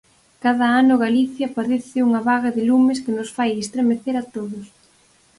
Cada ano Galicia padece unha vaga de lumes que nos fai estremecer a todos.